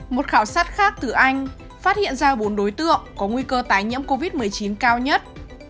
một khảo sát khác từ anh phát hiện ra bốn đối tượng có nguy cơ tái nhiễm covid một mươi chín cao nhất